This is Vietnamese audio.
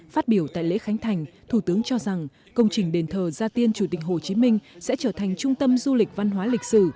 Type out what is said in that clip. phát biểu tại lễ khánh thành thủ tướng cho rằng công trình đền thờ gia tiên chủ tịch hồ chí minh sẽ trở thành trung tâm du lịch văn hóa lịch sử